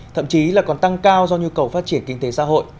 thậm chí là còn tăng cao do nhu cầu phát triển kinh tế xã hội